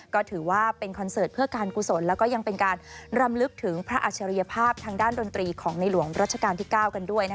ก็ถือว่าเป็นคอนเสิร์ตเพื่อการกุศลแล้วก็ยังเป็นการรำลึกถึงพระอัจฉริยภาพทางด้านดนตรีของในหลวงรัชกาลที่๙กันด้วย